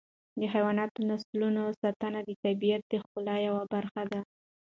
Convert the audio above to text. د حیواناتو د نسلونو ساتنه د طبیعت د ښکلا یوه برخه ده.